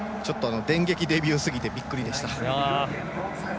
電撃デビューすぎてびっくりしました。